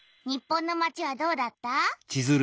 日本のまちはどうだった？